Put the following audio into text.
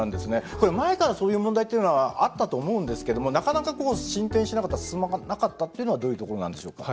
これ前からそういう問題っていうのはあったと思うんですけどもなかなか進展しなかった進まなかったっていうのはどういうところなんでしょうか？